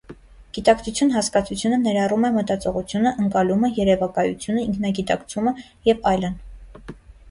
Գիտակցություն հասկացությունը ներառում է մտածողությունը, ընկալումը, երևակայությունը, ինքնագիտակցումը և այլն։